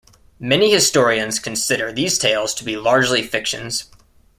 Many historians consider these tales to be largely fictions.